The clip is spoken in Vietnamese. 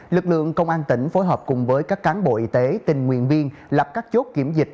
lực lượng công an tỉnh phối hợp cùng với các cán bộ y tế tình nguyện viên lập các chốt kiểm dịch